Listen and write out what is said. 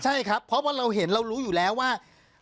ใช่ครับเพราะว่าเราเห็นเรารู้อยู่แล้วว่า